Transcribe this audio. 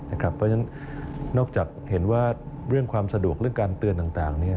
เพราะฉะนั้นนอกจากเห็นว่าเรื่องความสะดวกเรื่องการเตือนต่าง